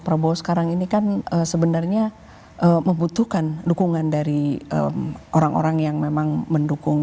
prabowo sekarang ini kan sebenarnya membutuhkan dukungan dari orang orang yang memang mendukung